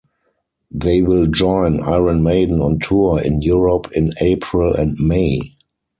They will join Iron Maiden on tour in Europe in April and May.